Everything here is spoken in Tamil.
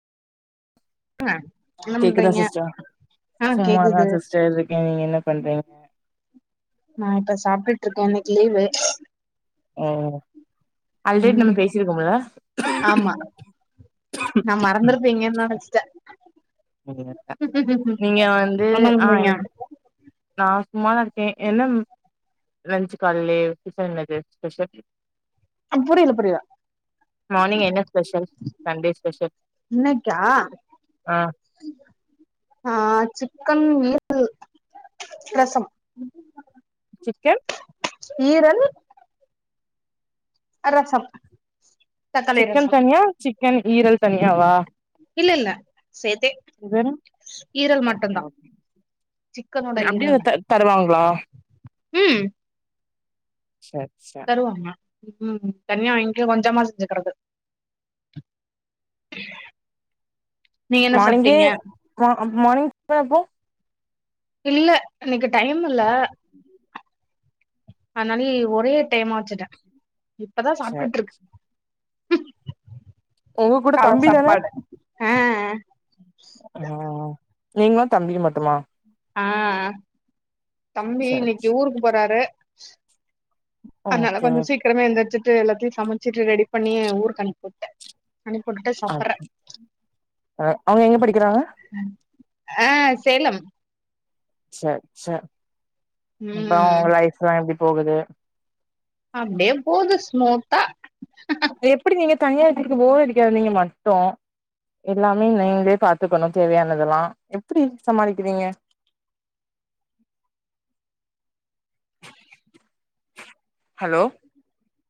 ஆ என்ன கேக்குதா பண்றீங்க சிஸ்டர் ஆ சும்மாதா கேக்குது சிஸ்டர் இருக்கே நீங்க என்ன பண்றீங் நா இப்ப சாப்ட்டுட்டு இருக்கே இன்னைக்கு லீவு ம் ஆல்ரெடி நம்ம ம் பேசிருக்கோம்ல ஆமா நா மறந்திருப்பீங்கனு நெனைச்சிட்டே இல்லல்ல நீங்க வந்து என்ன ஆ பண்றீங்க எனக் நா சும்மாதா இருக்கே என்ன லஞ்சு காலைலயே டிபன் அது ஸ்பெஷல் புரில புரியல மார்னிங் என்ன ஸ்பெஷல் சண்டே ஸ்பெஷல் இன்னைக்கா ஆ ஆ சிக்கன் ஈரல் ரசம் சிக்கன் ஈரல் அ ரசம் தக்காளி சிக்கன் ரசம் தனியா சிக்கன் ஈரல் தனியாவா இல்ல இல்ல சேத்தே இது வேற ஈரல் மட்டும்தா அ அப்டியே தருவாங்களா ம் சேர் சேரி வாங்க ம் தனியா வாங்கி கொஞ்சமா செஞ்சுக்கிறது [unintelligible] மார்னிங்கே சாப்ட்டீங்க ஆ மார்னிங் அப்போ இல்ல இன்னைக்கு டைம் இல்ல [unintelligible] அதனால ஒரே டைமா வச்சுட்டே இப்பதா சரி சாப்ட்டுட்டு இருக் உங்க கூட கால தம்பி தான சாப்பாடு ஆ அ ம் நீங்களு தம்பியு மட்டுமா ஆ தம்பி சரி இன்னைக்கு ஊருக்கு போறாரு அதனால ஓகே கொஞ்சோ சீக்கிரமே எந்திரிச்சிட்டு எல்லாத்தையு சமைச்சிட்டு ரெடி பண்ணி ஊருக்கு அனுப்பிட்டே அனுப்பி விட்டுட்டு சாப்பிடுறே ஓகே. அவங்க எங்க படிக்கிறாங்க ம் ஆ சேலம் சேர் சேர் அப்றோ ம் லைப்லா எப்டி போகுது அப்டியே போது ஸ்மூத்தா எப்டி நீங்க தனியார்க்கு போர் அடிக்காது நீங்க மட்டு எல்லாமே நீங்களே பாத்துக்கணு தேவையானது எல்லா எப்டி சமாளிக்கிறீங்க [unintelligible] ஹலோ